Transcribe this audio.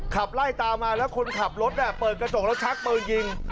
ขับไล่ตามมาแล้วคนขับรถเปิดกระจกแล้วชักปืนยิง